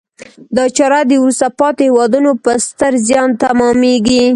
دا چاره د وروسته پاتې هېوادونو په ستر زیان تمامیږي.